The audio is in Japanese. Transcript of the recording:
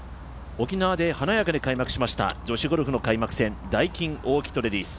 沖縄で華やかに開幕しました女子ゴルフの開幕戦、ダイキンオーキッドレディス。